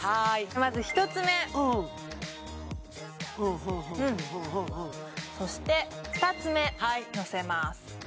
まず１つ目うんそして２つ目のせます